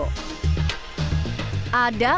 selamat datang di kisah kisah kisah